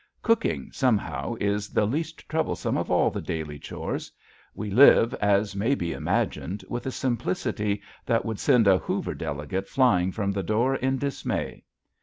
Cooking, somehow, is the least troublesome of all the daily chores. We live, as may be imagined, with a simplicity that would send a Hoover delegate flying from the door in dismay.